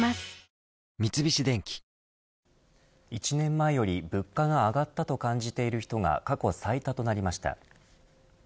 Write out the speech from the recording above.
三菱電機１年前より物価が上がったと感じている人が過去最多となりました。